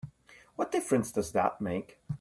What difference does that make?